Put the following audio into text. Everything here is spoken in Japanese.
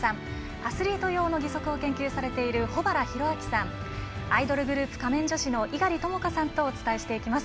アスリート用の義足を研究されている保原浩明さんアイドルグループ、仮面女子の猪狩ともかさんとお伝えしていきます。